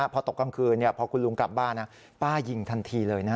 พอตกกลางคืนพอคุณลุงกลับบ้านป้ายิงทันทีเลย